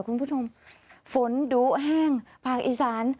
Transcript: คุณผู้ชมฝนดุแห้งภาคอีสาน